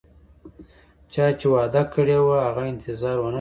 چا چې وعده کړي وه، هغه انتظار ونه کړ